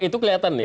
itu kelihatan nih